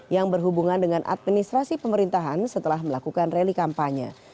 yang berhubungan dengan administrasi pemerintahan setelah melakukan rally kampanye